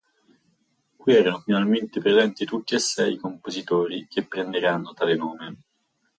Qui erano finalmente presenti tutti e Sei i compositori che prenderanno tale nome.